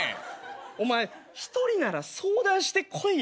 お前一人なら相談してこいよ。